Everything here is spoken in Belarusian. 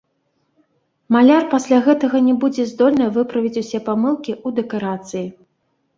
Маляр пасля гэтага не будзе здольны выправіць усе памылкі ў дэкарацыі!